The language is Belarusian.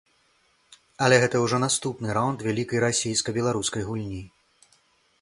Але гэта ўжо наступны раўнд вялікай расійска-беларускай гульні.